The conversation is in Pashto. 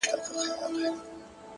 په خوښۍ کي به مي ستا د ياد ډېوه وي،